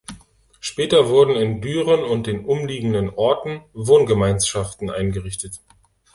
Später wurden in Düren und den umliegenden Orten Wohngemeinschaften eingerichtet.